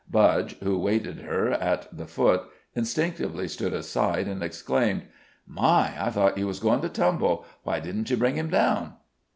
Budge, who awaited her at the foot, instinctively stood aside, and exclaimed: "My! I thought you was goin' to tumble! Why didn't you bring him down?"